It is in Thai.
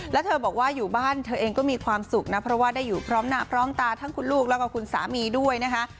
แล้วเธอบอกว่าอยู่บ้านเธอเองก็มีความสุขนะเพราะว่าได้อยู่พร้อมหน้าพร้อมตาทั้งคุณลูกแล้วก็คุณสามีด้วยนะคะ